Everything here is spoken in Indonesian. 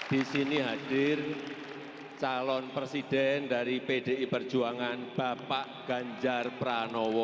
di sini hadir calon presiden dari pdi perjuangan bapak ganjar pranowo